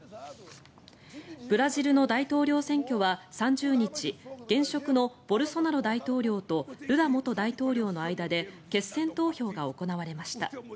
ブラジルの大統領選挙は３０日現職のボルソナロ大統領とルラ元大統領の間で決選投票が行われました。